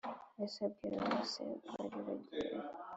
yesu abibwira bose bari bategereje.